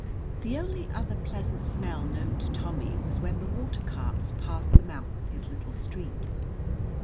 The only other pleasant smell known to Tommy was when the water carts passed the mouth of his little street.